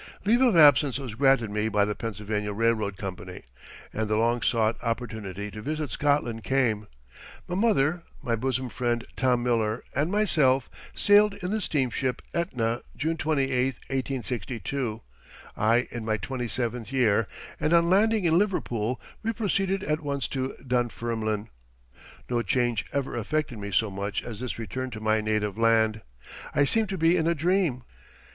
] Leave of absence was granted me by the Pennsylvania Railroad Company, and the long sought opportunity to visit Scotland came. My mother, my bosom friend Tom Miller, and myself, sailed in the steamship Etna, June 28, 1862, I in my twenty seventh year; and on landing in Liverpool we proceeded at once to Dunfermline. No change ever affected me so much as this return to my native land. I seemed to be in a dream.